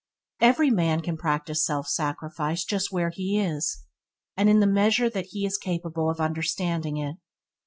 Even man can practice self sacrifice just where he is, and in the measure that he is capable of understand it.